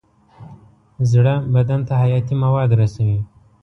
زړه بدن ته حیاتي مواد رسوي.